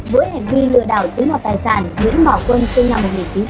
với hành vi lừa đảo chứng mọc tài sản nguyễn bảo quân từ năm một nghìn chín trăm chín mươi bảy